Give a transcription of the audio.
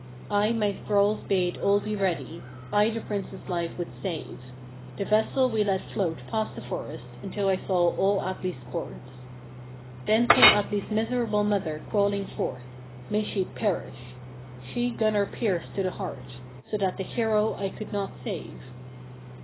31. I my thralls bade all be ready: I the prince's life would save. The vessel we let float past the forest, until I saw all Atli's courts. 32. Then came Atli's miserable mother crawling forth: may she perish! she Gunnar pierced to the heart; so that the hero I could not save.